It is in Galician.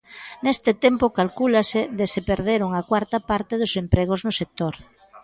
Neste tempo calcúlase de se perderon a cuarta parte dos empregos no sector.